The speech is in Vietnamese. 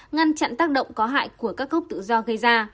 ngăn chặn tác động có hại của các cốc tự do gây ra